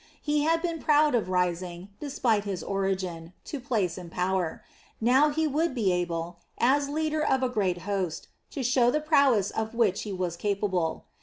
He had been proud of rising, despite his origin, to place and power. Now he would be able, as leader of a great host, to show the prowess of which he was capable.